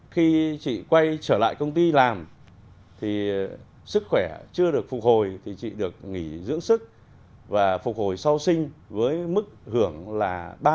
khi chị quay trở lại công ty làm thì sức khỏe chưa được phục hồi thì chị được nghỉ dưỡng sức và phục hồi sau sinh với mức hưởng là ba mươi